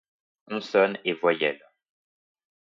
consonnes et voyelles